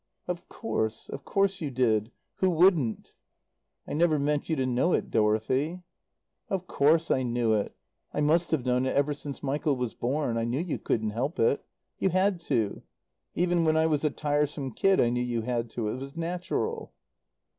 "Of course. Of course you did. Who wouldn't?" "I never meant you to know it, Dorothy." "Of course I knew it. I must have known it ever since Michael was born. I knew you couldn't help it. You had to. Even when I was a tiresome kid I knew you had to. It was natural."